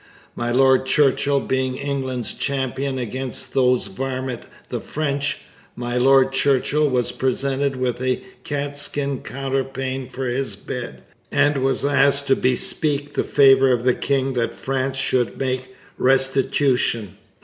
My Lord Churchill being England's champion against 'those varmint' the French, 'My Lord Churchill was presented with a catt skin counter pane for his bedd' and was asked to bespeak the favour of the king that France should make restitution.